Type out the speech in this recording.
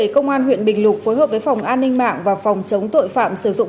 công an huyện bình lục phối hợp với phòng an ninh mạng và phòng chống tội phạm